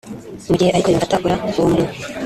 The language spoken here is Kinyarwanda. Mu gihe ariko yumva atakora uwo murimo